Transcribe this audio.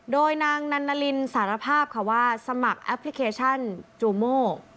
โดยนางนันนาลินสารภาพค่ะว่าสมัครแอปพลิเคชันจูโม